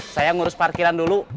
saya ngurus parkiran dulu